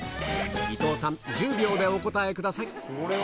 伊藤さん１０秒でお答えください